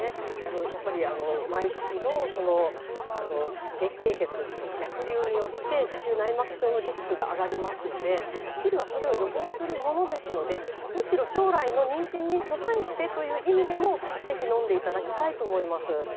やはり毎月の月経血の逆流によって子宮内膜症のリスクが上がりますのでピルはそれを予防するものなのでむしろ将来の妊娠に備えてという意味でもぜひのんでいただきたいと思います。